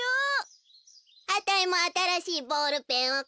あたいもあたらしいボールペンをかうわべ！